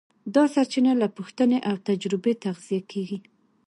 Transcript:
دا سرچینه له پوښتنې او تجربې تغذیه کېږي.